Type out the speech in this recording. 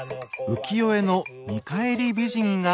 浮世絵の「見返り美人」が。